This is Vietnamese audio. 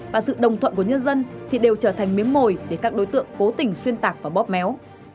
và sự đồng thuận của nhân dân thì đều trở thành miếng mồi để các đối tượng cố tình xuyên tạc và bóp méo